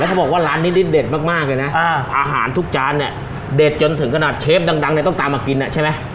เขาบอกว่าร้านนี้นี่เด็ดมากเลยนะอาหารทุกจานเนี่ยเด็ดจนถึงขนาดเชฟดังเนี่ยต้องตามมากินอ่ะใช่ไหม